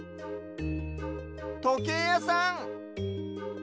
とけいやさん！